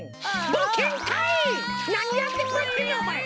なにやってくれてんねんおまえ！